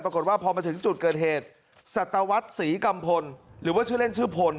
ปรากฏว่าพอมาถึงจุดเกิดเหตุสัตวรรษศรีกัมพลหรือว่าชื่อเล่นชื่อพล